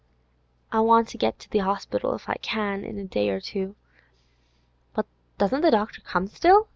I want to get to the Orspital, if I can, in a day or two.' 'But doesn't the doctor come still?